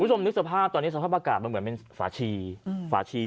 คุณผู้ชมนึกสภาพตอนนี้สภาพอากาศมันเหมือนเป็นฝาชีฝาชี